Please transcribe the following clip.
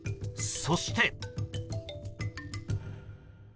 そして。